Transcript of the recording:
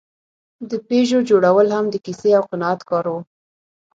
د پيژو جوړول هم د کیسې او قناعت کار و.